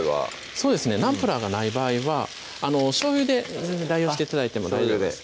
そうですねナンプラーがない場合はしょうゆで代用して頂いても大丈夫です